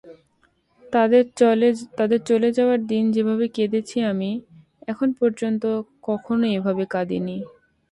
তাঁদের চলে যাওয়ার দিন যেভাবে কেঁদেছি আমি, এখন পর্যন্ত কখনো এভাবে কাঁদিনি।